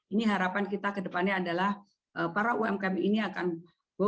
ini harapan kita ke depannya adalah para umkm ini akan berhasil